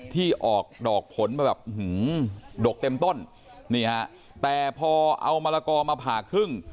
ที่ออกดอกผลมาแบบดกเต็มต้นนี่ฮะแต่พอเอามะละกอมาผ่าครึ่ง